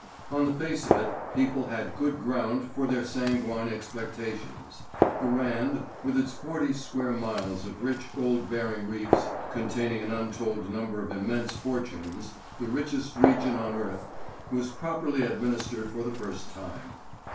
On the face of it people had good ground for their sanguine expectations. The Rand with its forty square miles of rich gold bearing reefs containing an untold number of immense fortunes the richest region on earth was properly administered for the first time.